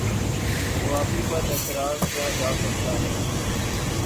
قوافی پر اعتراض کیا جا سکتا ہے۔